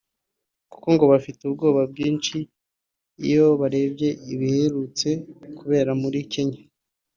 kuko ngo bafite ubwoba bwinshi iyo barebye ibiherutse kubera muri Kenya